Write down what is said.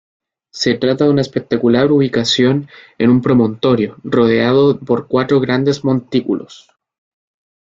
Se trata de una espectacular ubicación en un promontorio, rodeado por cuatro grandes montículos.